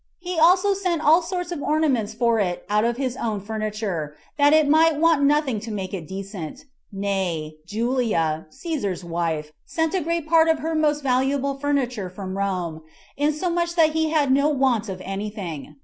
He also sent all sorts of ornaments for it out of his own furniture, that it might want nothing to make it decent; nay, Julia, Cæsar's wife, sent a great part of her most valuable furniture [from Rome], insomuch that he had no want of any thing.